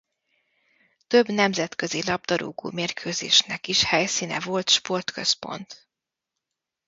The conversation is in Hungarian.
Több nemzetközi labdarúgó mérkőzésnek is helyszíne volt Sportközpont.